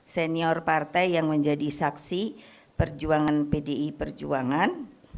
senior partai yang menjadi saksi perjuangan pdi perjuangan